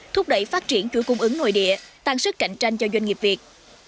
thúc đẩy phát triển chuỗi cung ứng nội địa tăng sức cạnh tranh cho doanh nghiệp việt